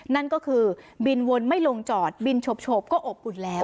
นั่นก็คือบินวนไม่ลงจอดบินโฉบก็อบอุ่นแล้ว